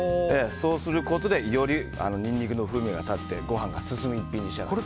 そうすることでよりニンニクの風味が立ってご飯が進む一品に仕上がります。